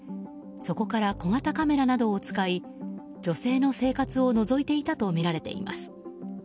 そこから小型カメラなどを使い女性の生活をのぞいていたとみられています。